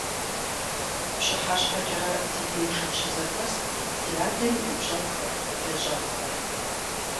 ПщыхьэщхьэкӀэрэ ди деж къыщызэхуэст ди адэм и ныбжьэгъухэр, и лэжьэгъухэр.